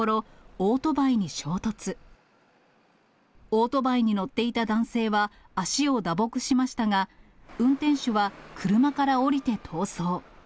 オートバイに乗っていた男性は足を打撲しましたが、運転手は車から降りて逃走。